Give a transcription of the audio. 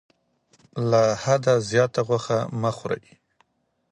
له حده زیاته غوښه مه خورئ.